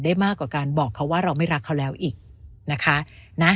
ได้มากกว่าการบอกเขาว่าเราไม่รักเขาแล้วอีกนะคะนะ